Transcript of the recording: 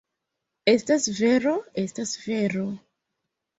Estas vero, estas vero!